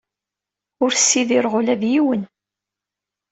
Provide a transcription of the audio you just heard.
Ur ssidireɣ ula d yiwen.